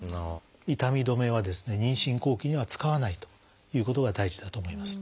痛み止めは妊娠後期には使わないということが大事だと思います。